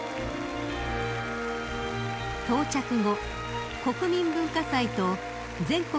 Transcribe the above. ［到着後国民文化祭と全国